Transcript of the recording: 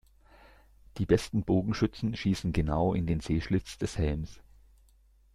Die besten Bogenschützen schießen genau in den Sehschlitz des Helms.